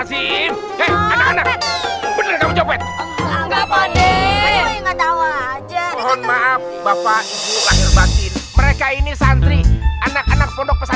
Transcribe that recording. zim anak anak bener bener copet nggak paham bapak mereka ini santri anak anak kondok pesan